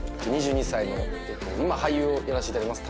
２２歳の今俳優をやらせていただいてます